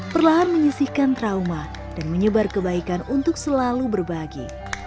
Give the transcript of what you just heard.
perlahan menyisihkan trauma dan menyebar kebaikan untuk selalu berbagi